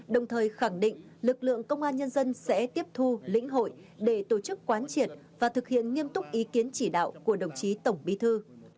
đồng thời khẳng định lực lượng công an nhân dân sẽ tiếp thu lĩnh hội để tổ chức quán triệt và thực hiện nghiêm túc ý kiến chỉ đạo của đồng chí tổng bí thư